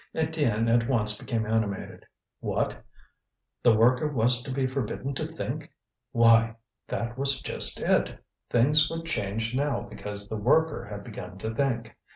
Étienne at once became animated. What! The worker was to be forbidden to think! Why! that was just it; things would change now because the worker had begun to think.